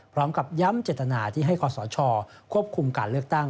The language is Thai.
พร้อมกับย้ำเจตนาที่ให้คอสชควบคุมการเลือกตั้ง